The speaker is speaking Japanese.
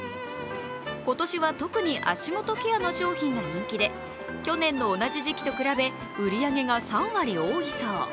今年は特に足元ケアの商品が人気で去年の同じ時期と比べ売り上げが３割多いそう。